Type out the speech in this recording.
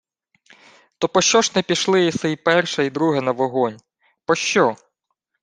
— То пощо ж не пішли єси й перше, й друге на вогонь? Пощо?